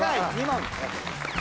２問。